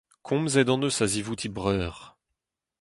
Komzet hon eus a-zivout he breur.